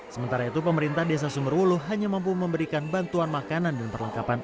sementara itu pemerintah desa sumberwuluh hanya mampu memberikan bantuan makanan dan perlengkapan